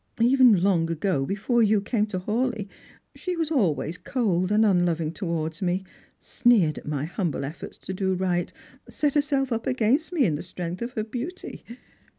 Even long ago, before you came to Hawleigh, she was always cold and unloving towards me, sneered at my humble efforts to do right, set her self up against me in the strength of her beauty."